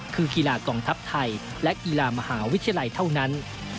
คือกีฬากองทัพไทยและกีฬามหาวิทยาลัยเท่านั้น